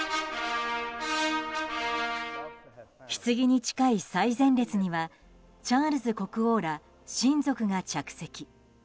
ひつぎに近い最前列にはチャールズ国王ら親族が着席。